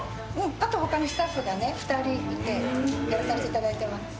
あとほかにスタッフがね、２人いて、やらさせていただいてます。